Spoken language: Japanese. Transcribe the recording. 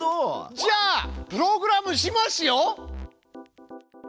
じゃあプログラムしますよ！